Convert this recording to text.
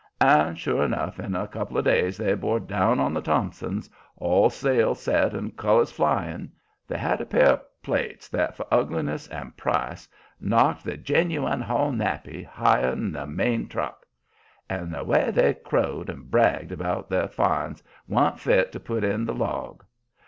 And sure enough, in a couple of days they bore down on the Thompsons, all sail set and colors flying. They had a pair of plates that for ugliness and price knocked the "ginuwine Hall nappy" higher 'n the main truck. And the way they crowed and bragged about their "finds" wa'n't fit to put in the log.